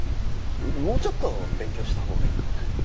もうちょっと勉強したほうがいいかもな。